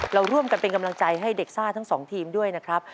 เราร่วมกันเป็นกำลังใจให้เด็กซ่าทั้งสองทีมด้วยนะครับ